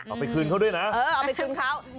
เอาไปคืนเขาด้วยนะ